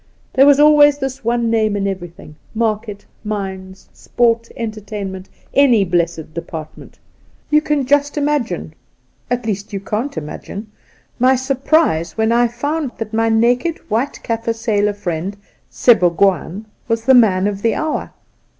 There was always this one name in everything — market, mines, sport, entertainment — any blessed department. You can just imagine — at least, you can't imagine— my sur prise when I found that my naked white Kaffir sailor friend, Sebougwaan, was the man of the hour.